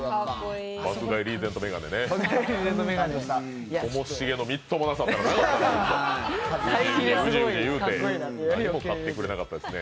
爆買いリーゼント眼鏡ね。